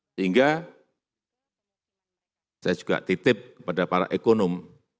sehingga saya juga titip kepada para ekonom